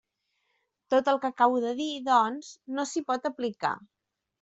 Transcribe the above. Tot el que acabo de dir, doncs, no s'hi pot aplicar.